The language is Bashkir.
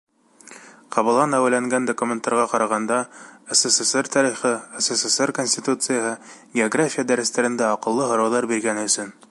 Ҡабалан әүәләнгән документтарға ҡарағанда, СССР тарихы, СССР Конституцияһы, география дәрестәрендә аҡыллы һорауҙар биргәне өсөн!